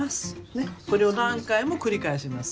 これを何回も繰り返します。